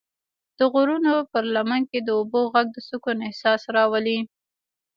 د غرونو پر لمن کې د اوبو غږ د سکون احساس راولي.